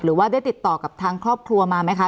หรือว่าได้ติดต่อกับทางครอบครัวมาไหมคะ